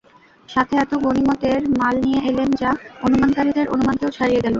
সাথে এতো গনীমতের মাল নিয়ে এলেন যা অনুমানকারীদের অনুমানকেও ছাড়িয়ে গেল।